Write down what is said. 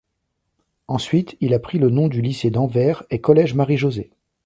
Ensuite il a pris le nom du Lycée d’Anvers et Collège Marie-José.